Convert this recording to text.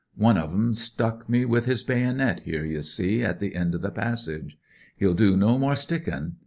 One of 'em stuck nte with his baynit, here, ye see, at the end of the passage. He'll do no more stickin'.